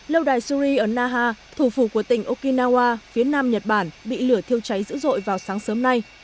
lâu đài suri ở naha thủ phủ của tỉnh okinawa phía nam nhật bản bị lửa thiêu cháy dữ dội vào sáng sớm nay